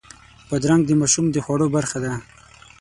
بادرنګ د ماشوم د خوړو برخه ده.